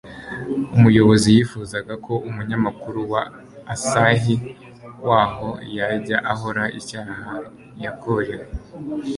umuyobozi yifuzaga ko umunyamakuru wa asahi waho yajya aho icyaha cyakorewe